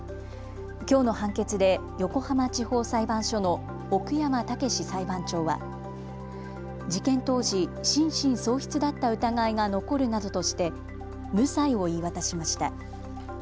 きょうの判決で横浜地方裁判所の奥山豪裁判長は事件当時、心神喪失だった疑いが残るなどとして無罪を言い渡しました。